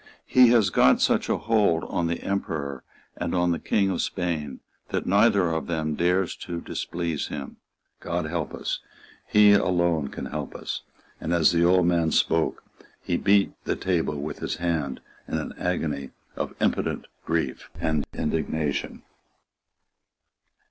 He has got such a hold on the Emperor and on the King of Spain that neither of them dares to displease him. God help us! He alone can help us." And, as the old man spoke, he beat the table with his hand in an agony of impotent grief and indignation.